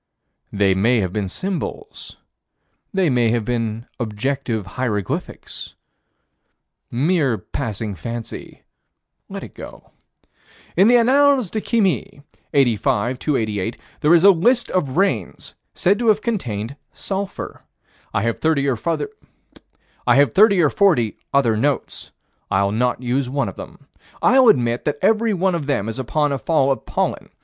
They may have been symbols. They may have been objective hieroglyphics Mere passing fancy let it go In the Annales de Chimie, 85 288, there is a list of rains said to have contained sulphur. I have thirty or forty other notes. I'll not use one of them. I'll admit that every one of them is upon a fall of pollen.